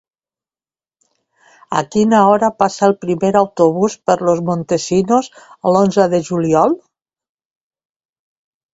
A quina hora passa el primer autobús per Los Montesinos l'onze de juliol?